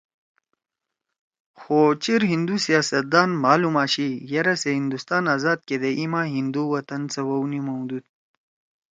خو چیر ہندُو سیاستدان مھال ہُم آشی یرأ سے ہندوستان آزاد کیدے ایِما ہندو وطن سوَؤ نیِمؤدُود